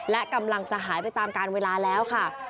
และกำลังจะหายไปตามการเวลาแล้วค่ะ